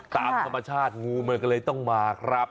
ตามธรรมชาติงูมันก็เลยต้องมาครับ